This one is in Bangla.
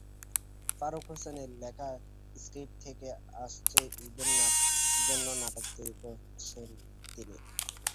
ফারুক হোসেনের লেখা স্ক্রিপ্ট থেকে আসছে ঈদের জন্য নাটক তৈরি করছেন তিনি।